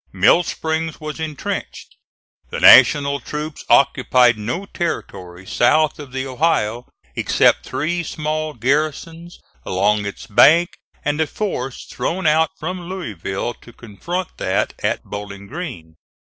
Mill Springs was intrenched. The National troops occupied no territory south of the Ohio, except three small garrisons along its bank and a force thrown out from Louisville to confront that at Bowling Green.